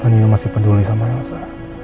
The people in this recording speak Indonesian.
ternyata niel masih peduli sama elsa